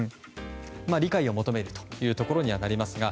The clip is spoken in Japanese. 理解を求めるというところにはなりますが。